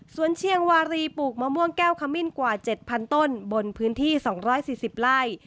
ส่วนเชียงวารีปลูกมะม่วงแก้วขมิ้นกว่า๗๐๐ต้นบนพื้นที่๒๔๐ไร่